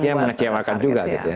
dia mengecewakan juga gitu ya